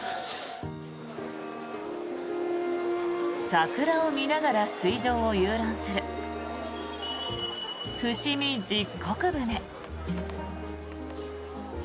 桜を見ながら水上を遊覧する伏見十石舟。